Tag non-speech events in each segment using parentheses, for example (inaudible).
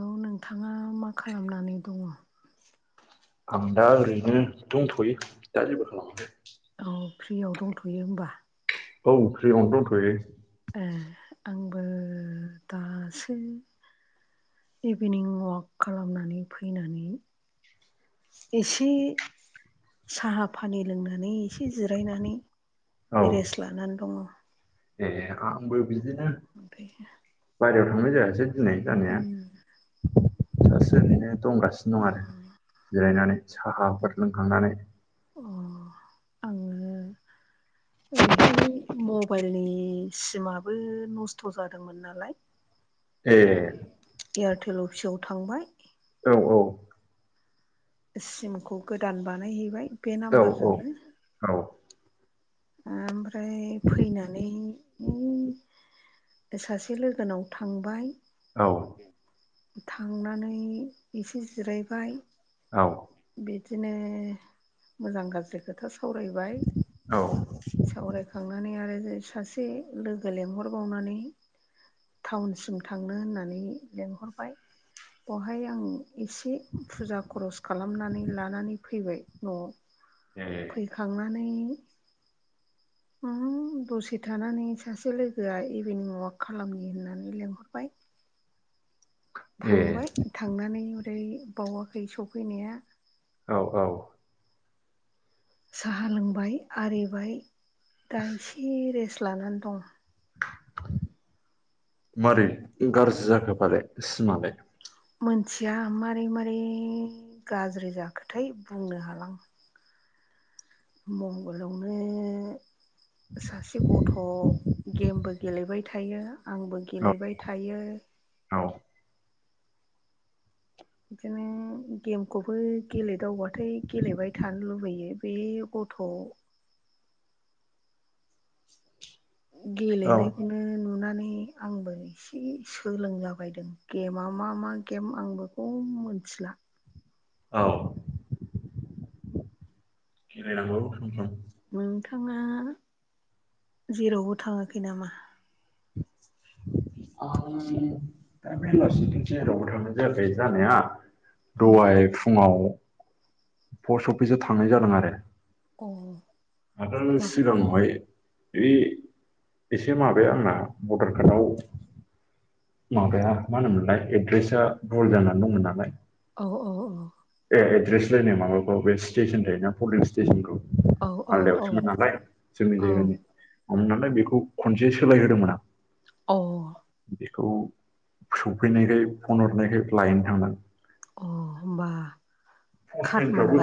औ नोंथाङा मा खालामनानै दङ? आं दा ओरैनो दंथ'यो दा जेबो खालामाखै। औ फ्रियाव दंथ'यो होमबा? औ फ्रिआवनो दंथ'यो। ए आंबो दासो इभिनिं अवाक खालामनानै फैनानै एसे साहा फानि लोंनानै एसे जिरायनानै औ रेस्ट लानानै दङ। ए आंबो बिदिनो ओमफ्रायो बाहेरायाव थांनाय जायासै दिनै जानाया दासो ओरैनो दंगासि नो दं आरो जिरायनानै साहाफोर लोंखांनानै। अ आङो ओरैहाय मबाइलनि सिमाबो नस्थ' जादोंमोन नालाय (inaudible) ए एयारटेल अफिसाव थांबाय औ औ सिमखौ गोदान बानायहैबाय। बे औ नाम्बारजोंनो औ औ ओमफ्राय फैनानै ओ सासे लोगोनाव थांबाय औ थांनानै एसे जिरायबाय औ बिदिनो मोजां गाज्रि खोथा सावरायबाय। औ सावरायखांनानै आरो सासे लोगो लेंहरबावनानै टाउनसिम थांनो होननानै लेंहरबाय बेवहाय आं एसे फुजा खरस खालामनानै लानानै फैबाय न'आव। ए खांनानै उम दसे थानानै सासे लोगोआ इभिनिं अवाक खालामनि होननानै लेंहरबाय। ए थांबाय थांनानै ओरै बावाखै सफैनाया। औ औ साहा लोंबाय आरिबाय दा एसे रेस्ट लानानै दं। मारै गाज्रि जाखोफालाय सिमालाय? मोनथिया मारै मारै गाज्रि जाखोथाय बुंनो हालां। मबाइलावनो सासे गथ' गेमबो गेलेबाय थायो आंबो औ गेलेबाय थायो। औ बिदिनो गेमखौबो गेलेदावबाथाय गेलेबाय थानो लुबैयो बे गथ' औ गेलेनायखौनो नुना नुनानै आंबो इसे सोलोंलाबायदों गेमा मा मा गेम आंबो खम मिथिला औ। गेलेनांगौ सम सम। नोंथाङा जेरावबो थाङाखै नामा? (inaudible) आं दा बेलासिथिं जेरावबो थांनाय जायाखै जानाया। दहाय फुङाव पस्ट अफिसाव थांनाय जादों आरो। अ आगोल मा सिगाङावहाय इ एसे माबाया आंना भटारखादाव माबाया मा होनोमोनलाय एद्रेसा भुल जानानै दंमोन नालाय औ औ औ। ए एड्रेस लायनाय माबाखौ बे स्टेसन थायोना? पलिं स्टेसनखौ, औ औ आलदायावसोमोन औ नालाय जोंनि औ अ जायगानि नालाय बेखौ खनसे सोलाय होदोंमोन आं। अ'। बिखौ सौफैनायखाय फन हरनायखाय लायनो थांदां। अ' होनबा पसमेनफ्राबो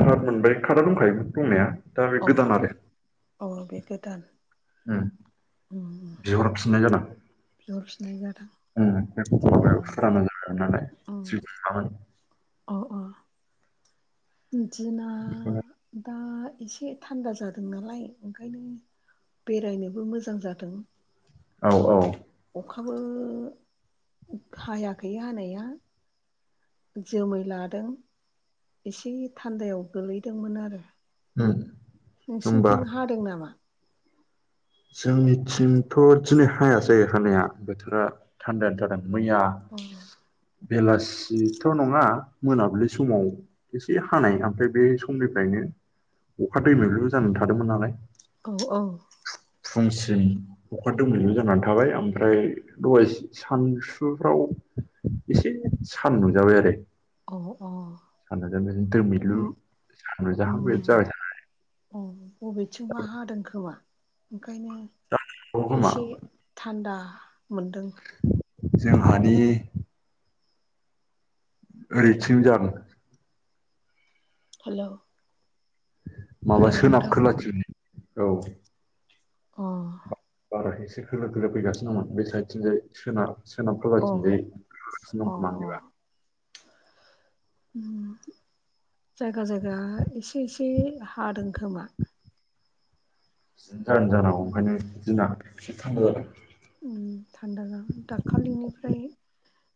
कार्ड मोनबाय कार्डा दंखायोमोन दंनाया दा बे अ गोदान आरो। अ बे गोदान। उम। बिहरफिननाय जादों। बिहरफिननाय जादों। उम बेफोर फग्रा अ फुराना जाबायमोन नालाय ओं जेबो नङामोन। अ अ। दिना बेखौनो दा एसे थान्दा जादों नालाय ओंखायनो बेरायनोबो मोजां जादों। औ औ। अखाबो हायाखै हानाया। जोमै लादों। एसे थान्दायाव गोलैदोंमोन आरो। उम होमबा नोंसिनिथिं हादों नामा? जोंनिथिंथ' दिनै हायासै हानाया बोथोरा थान्दायानो जादों। मैया अ'। बेलासिथ' नङा मोनाबिलि समाव एसे हानाय ओमफ्राय बे समनिफ्रायनो अखा दैलो लो जानानै थादोंमोन नालाय। औ औ। फुंसिम अखा दोमैलु जानानै थाबाय ओमफ्राय दहायसो सानसुफ्राव एसे सान नुजाबाय आरो। औ अ अ सान नुजाहां दोमैलु उम सान उम नुजाहां बेबायदि जाबाय था अ बबेथिंबा हादों खोमा, ओंखायनो थानानै जानो खोमा इसे थान्दा मोनदों। जोंहादि ओरैथिं जान हेलौ। माबा हेलौ सोनाब नोंथां खोलाथिं औ। अ'। बारा एसे खोलो खोलो फैगासिनो दंमोन बे साइडथिं जाय सोनाब सोनाब अ खोलाथिंजाय हागासिनो अ दं खोमा अ आंनिबा उम जायगा जायगा इसे इसे हादों खोमा बिदि जानादों जानांगौ ओंखायनो उम दिना एसे थान्दा जादों। उम थान्दा जां दाखालिनिफ्राय-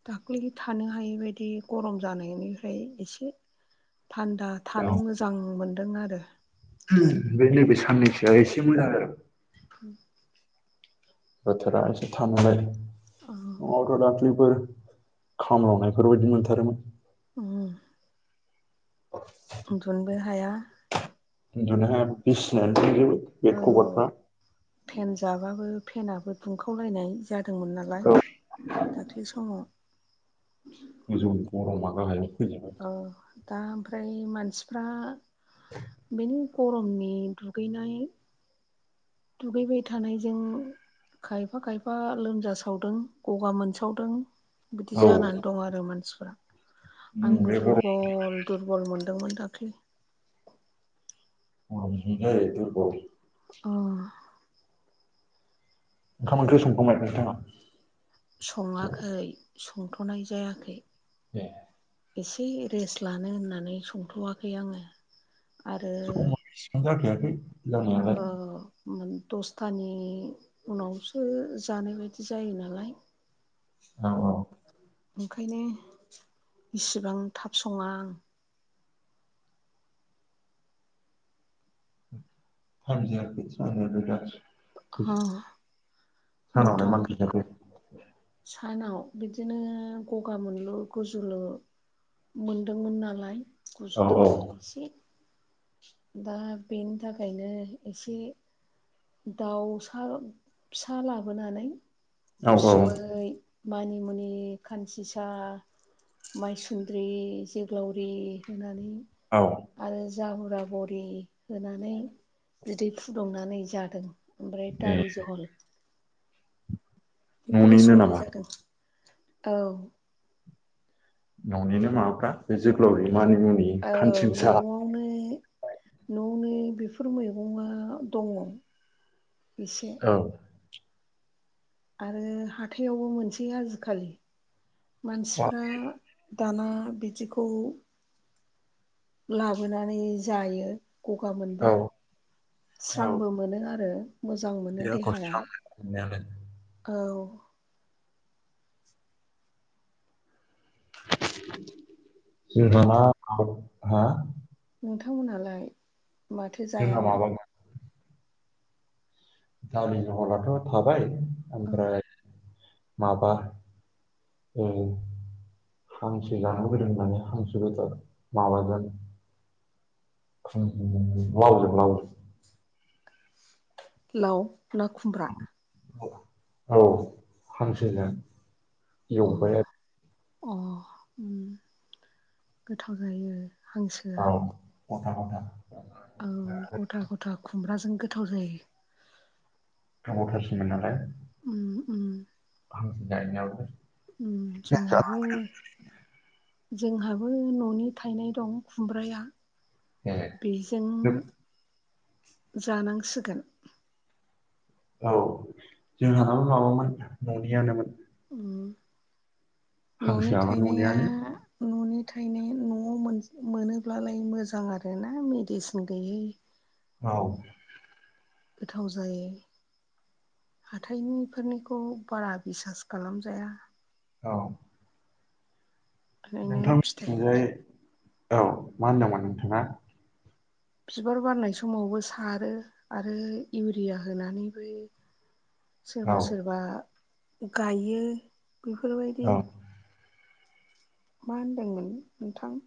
दाख्लै थानो हायैबायदि गरम जानायनिफ्राय इसे थान्दा थानो मोजां मोनदों आरो। उम नैबे साननैसोया इसे मोजां जादों। (inaudible) बोथोरा इसे थांन मिलायदों औ मावथ' दाख्लिफोर खामलावनायफोरबायदि मोनथारोमोन उम उन्दुनबो हाया उन्दुनो हाया बिसिनायानो सिजोबो औ फेन जाबाबो फेनाबो दुंखावलायनाय जादोंमोन नालाय औ दाख्लै समाव (inaudible) औ दा ओमफ्राय मानसिफ्रा बेनि गरमनि दुगैनाय दुगैबाय थानायजों खायफा खायफा लोमजासावदों गगा मोनसावदों बिदि औ जानानै दं आरो मानसिफोरा आंबो बे गरम दुरबल दुरबल मोनदोंमोन दाख्लै गरमाव बिदिनो जायो दुरबल अ ओंखाम ओंख्रि संखबाय नोंथाङा सङाखै संथ'नाय जायाखै दे एसे रेस्ट लानो होननानै संथ'वाखै आङो आरो जाखाखै औ उम दसथानि उनावसो जानाय बायदि जायो नालाय औ औ ओंखायनो इसिबां थाब सङा टाइम जायाखै आं (unintelligible) सानावलाय नोंथां मा ओंख्रिन जाखो सानाव बिदिनो गगा मोनलु गुजुलु मोनदोंमोन नालाय औ औ गुजुदोंबो एसे दा बेनि थाखायनो एसे दाउसा फिसा लाबोनानै औ औ मै मानिमुनि खानसिसा माइसुन्द्रि जोग्लावरि होनानै औ आरो जाहुरा बरि होनानै बिदै फुदुंनानै जादों ओमफ्राय ए दालि जहल बेखौल' न'निनो संनाय नामा जागोन औ। न'निनो माबाफ्रा बे जोगोलावरि मानिमुनि औ खानसिंसा न'आवनो न'नि बेफोर मैगङा दङ। इसे। औ आरो हाथायावबो मोनसै आजिखालि मानसिफ्रा दाना बिदिखौ लाबोनानै जायो। गगा मोनबा औ औ स्रांबो मोनो आरो। मोजां मोनो देहाखौ देहाया स्रां मोनो मोननायालाय औ। सोनाबहा औ हा नोंथांमोनहालाय माथो जोंना जायामोन? माबा दालि जहलाथ थाबाय औ ओमफ्राय माबा उम हांसो जानो लुबैदों होननानै हांसोबेदर माबाजों खुं लावजों लावजों लाव ना खुमब्रा? औ हांसोजों अ एवबाय आरो। अ उम गोथाव जायो। हांसोआ औ गथा गथा। औ गथा गथा खुमब्राजों गोथाव जायो। गोबावथारसैमोन नालाय। उम उम हांसो जाहैनायावलाय। उम जोंहाबो जोंहाबो न'नि थायनाय दं खुमब्राया। ए बेजों जानांसिगोन। औ जोंहानाबो माबामोन न'नियानोमोन। उम न'नि हांसोआबो थायनाया न'नियानो न'नि थायनाय न'आव मोनज मोनोब्लालाय मोजां आरोना मेडिसिन गैयि। (inaudible) औ गोथाव जायो। हाथायनिफोरनिखौ बारा बिसास खालामजाया। औ ओंखायनो फिथाइ नोंथांमोननिथिंजाय औ मा होनदोंमोन नोंथाङा? बिबार बारनाय समावबो सारो आरो इउरिया होनानैबो (inaudible) औ सोरबा सोरबा गायो औ बेफोरबायदि मा होनदोंमोन नोंथां?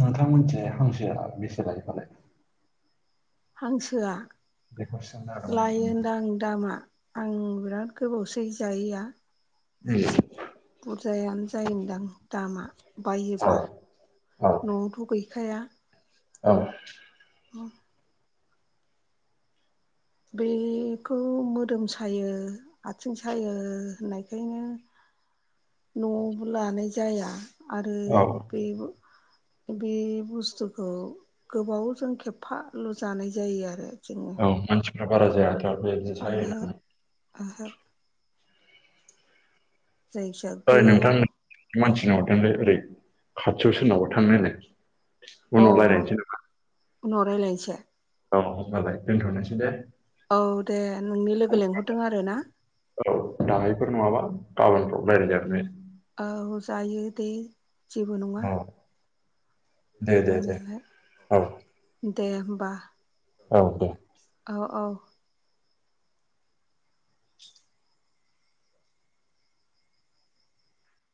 नोंथांमोनथिंजाय हांसोआ बेसे लायो फालाय? हांसोआ बेखौ सोंनो हागौमोन लायोनदां दामा। आं बिराद गोबावसै जायिआ। (unintelligible) बुरजायानो जायोनदां दामा आं औ बायोब्ला। औ न'आवथ' गैखाया। औ औ बेखौ मोदोम सायो। आथिं सायो होननायखायनो न'आवबो लानाय जाया। आरो औ बेबो बे बुस्थुखौ गोबाव जों खेबफाल' जानाय जायो आरो जों औ मानसिफोरा बारा जाया ओहो ओहो। जै ओइ नोंथां मानसि ना हरदोंलै ओरै खाथियाव सोरनावबा थांना नायलाय। अ उनाव रायलायनोसै नामा? उनाव रायज्लायनोसै औ होनबालाय दोनथ'नोसै दे। औ दे नोंनि लोगो लेंहरदों आरो ना? औ दाहायफोर नङाबा गाबोनफ्राव रायज्लायजागोनदे औ जायो दे जेबो नङा। औ दे आरो दे दे औ लोंनायालाय दे होमबा। औ दे औ औ।